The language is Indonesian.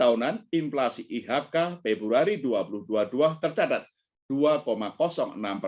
relatif lebih rendah dibandingkan dengan depresiasi dari mata uang sejumlah negara berkembang lainnya